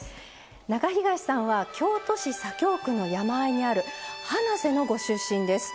中東さんは京都市左京区の山あいにある花脊のご出身です。